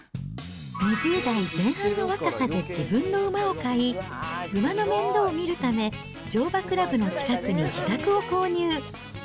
２０代前半の若さで自分の馬を買い、馬の面倒を見るため、乗馬クラブの近くに自宅を購入。